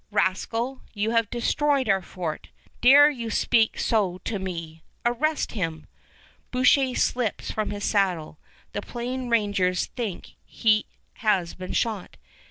"Rascal! You have destroyed our fort!" "Dare you to speak so to me? Arrest him!" Boucher slips from his saddle. The Plain Rangers think he has been shot.